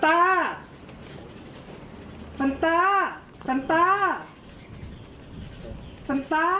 ตัมตาตัมตา